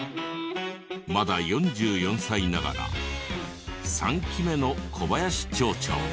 まだ４４歳ながら３期目の小林町長。